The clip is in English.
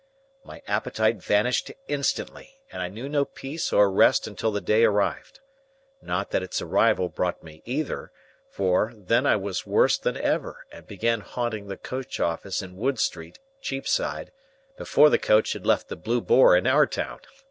My appetite vanished instantly, and I knew no peace or rest until the day arrived. Not that its arrival brought me either; for, then I was worse than ever, and began haunting the coach office in Wood Street, Cheapside, before the coach had left the Blue Boar in our town.